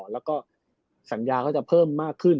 แล้วก็สัญญาก็จะเพิ่มมากขึ้น